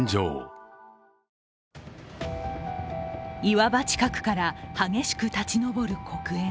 岩場近くから激しく立ち上る黒煙。